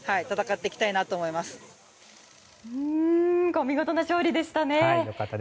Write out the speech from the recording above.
お見事な勝利でしたね。